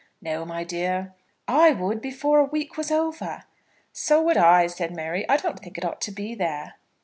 "No, my dear." "I would, before a week was over." "So would I," said Mary. "I don't think it ought to be there."